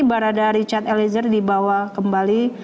barada richard eliezer dibawa kembali